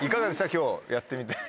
今日やってみて。